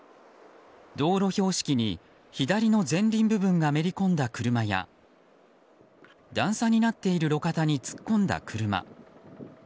道路標識に左の前輪部分がめり込んだ車や段差になっている路肩に突っ込んだ車。